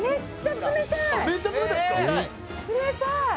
「冷たい！」